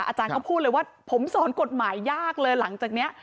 อาจารย์เขาพูดเลยว่าผมสอนกฎหมายยากเลยหลังจากนี้